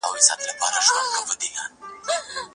آیا په دې تاریخي کلا کې پخوا پاچاهانو ژوند کاوه؟